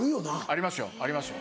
ありますよありますよ。